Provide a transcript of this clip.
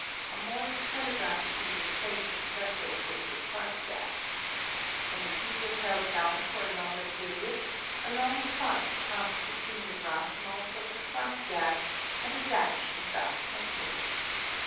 A Morse telegraph key was placed in circuit with the spark gap. When the key was held down for a longer period a long spark passed between the brass knobs of the spark gap and a dash was thus transmitted.